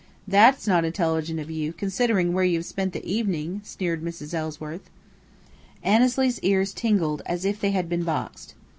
"That's not intelligent of you, considering where you have spent the evening," sneered Mrs. Ellsworth. Annesley's ears tingled as if they had been boxed.